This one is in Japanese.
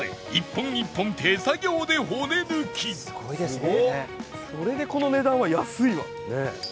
なんとそれでこの値段は安いわ！